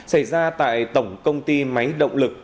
xảy ra tại tổng công ty máy động lực